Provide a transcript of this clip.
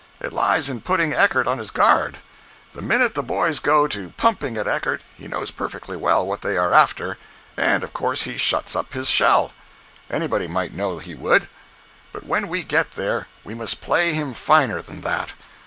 It lies in putting Eckert on his guard. The minute the boys go to pumping at Eckert he knows perfectly well what they are after, and of course he shuts up his shell. Anybody might know he would. But when we get there, we must play him finer than that.